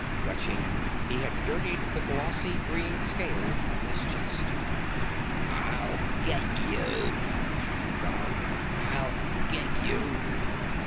Retching, he had dirtied the glossy green scales of his chest. "I'll get you," he vowed. "I'll get you."